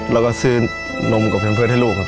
แล้วก็ซื้อนมกับเพื่อนให้ลูกครับ